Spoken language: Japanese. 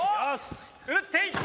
打っていった！